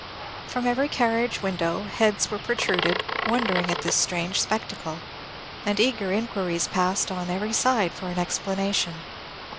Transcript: From every carriage window heads were protruded, wondering at this strange spectacle; and eager inquiries passed on every side for an explanation.